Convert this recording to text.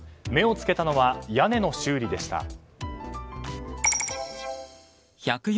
目を付けたのは屋根の修理でした。